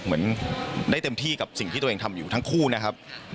เหมือนได้เต็มที่กับสิ่งที่ตัวเองทำอยู่ทั้งคู่นะครับ